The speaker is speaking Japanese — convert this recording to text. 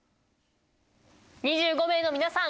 ２５名の皆さん